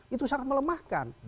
itu sangat melemahkan